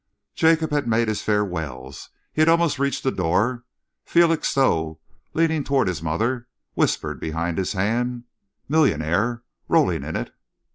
Jacob had made his farewells; he had almost reached the door. Felixstowe, leaning towards his mother, whispered behind his hand, "Millionaire! Rolling in it!"